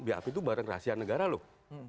bap itu barang rahasia negara loh